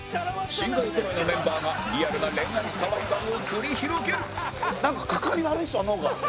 新顔ぞろいのメンバーがリアルな恋愛サバイバルを繰り広げるなんかかかり悪いっすわ。